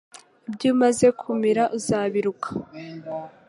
Ibyo umaze kumira uzabiruka